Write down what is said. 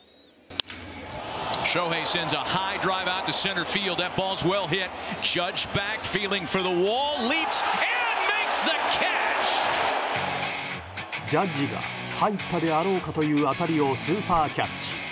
ジャッジが入ったであろうかという当たりをスーパーキャッチ。